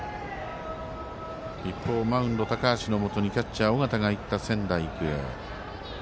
一方、マウンドの高橋のもとにキャッチャーの尾形がいった仙台育英。